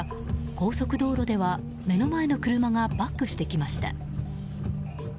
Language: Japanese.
高速道路では目の前の車がバックしてきました。